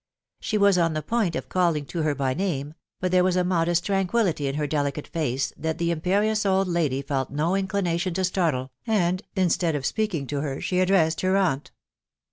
She was on the point of calling to her by name ; but there was a modest tranquillity in her delicate face, that the imperious old lady felt no inclination to startle, and instead of speaking to her, she addressed her aunt.